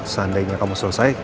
seandainya kamu selesai